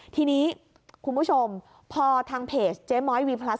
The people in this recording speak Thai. ทีนี้คุณผู้ชมพอทางเพจเจ๊ม้อยวีพลัส